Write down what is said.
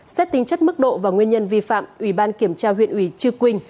xét tính chất mức độ và nguyên nhân vi phạm ủy ban kiểm tra huyện ủy chư quynh